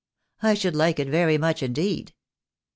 "I should like it very much indeed."